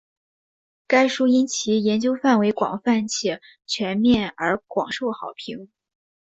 该书因其研究范围广泛且全面而广受好评。